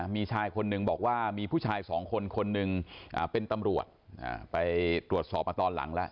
มีชายคนหนึ่งบอกว่ามีผู้ชายสองคนคนหนึ่งเป็นตำรวจไปตรวจสอบมาตอนหลังแล้ว